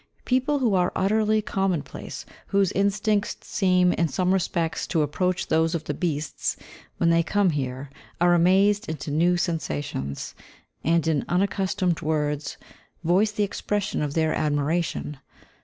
People who are utterly commonplace, whose instincts seem, in some respects, to approach those of the beasts, when they come here are amazed into new sensations, and, in unaccustomed words, voice the expression of their admiration.